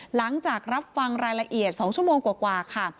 หลังจากรับฟังรายละเอียด๒ชั่วโมงกว่าค่ะ